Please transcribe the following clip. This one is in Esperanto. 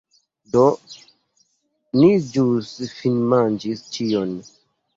Do, ni ĵus finmanĝis ĉion